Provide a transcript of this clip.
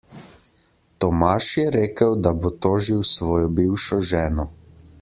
Tomaž je rekel, da bo tožil svojo bivšo ženo.